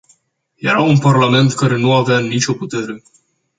Era un parlament care nu avea nicio putere.